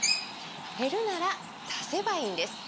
減るなら足せばいいんです！